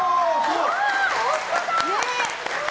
本当だ！